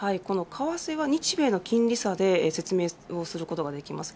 為替は日米の金利差で説明をすることができます。